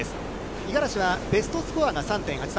五十嵐はベストスコアが３．８３。